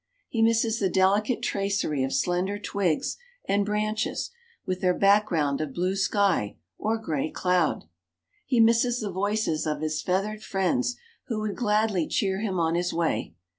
He misses the delicate tracery of slender twigs and branches, with their background of blue sky or gray cloud. He misses the voices of his feathered friends who would gladly cheer him on his way.